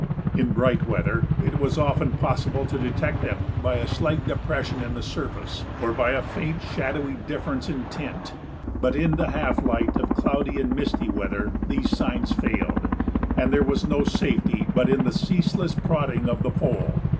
In bright weather it was often possible to detect them by a slight depression in the surface or by a faint, shadowy difference in tint, but in the half light of cloudy and misty weather these signs failed, and there was no safety but in the ceaseless prodding of the pole.